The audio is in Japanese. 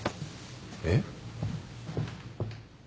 えっ？